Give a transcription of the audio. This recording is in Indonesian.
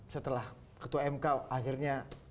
setelah ketua mk akhirnya